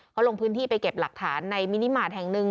เขาลงพื้นที่ไปเก็บหลักฐานในมินิมาตรแห่งหนึ่ง